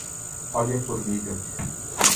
Olhe a formiga